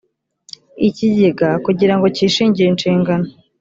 ikigega kugira ngo cyishingire inshingano